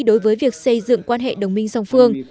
đối với việc xây dựng quan hệ đồng minh song phương